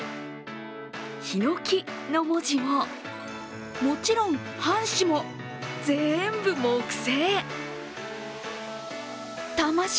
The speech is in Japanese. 桧の文字も、もちろん半紙も全部木製。